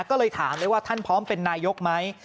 ก็เลยถามเลยว่าท่านพร้อมเป็นนายกไหม